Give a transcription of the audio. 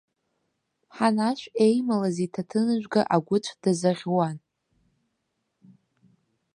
Ҳанашә еималаз иҭаҭыныжәга агәыцә дазаӷьуан.